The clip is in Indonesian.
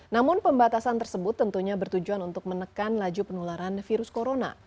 namun pembatasan tersebut tentunya bertujuan untuk menekan laju penularan virus corona